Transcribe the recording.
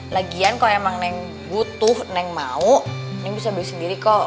lagian kalau emang neng butuh neng mau neng bisa beli sendiri kok